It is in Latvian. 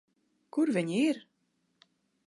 Kur viņi ir?